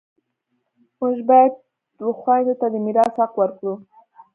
موږ باید و خویندو ته د میراث حق ورکړو